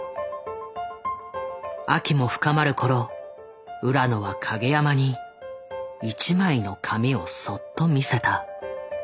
秋も深まる頃浦野は影山に一枚の紙をそっと見せた。